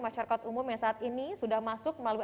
masyarakat umum yang saat ini sudah masuk melalui